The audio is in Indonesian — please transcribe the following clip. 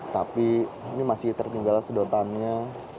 tapi ini masih tertinggal sedotannya